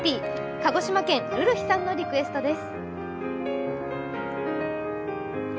鹿児島県、るるひさんのリクエストです。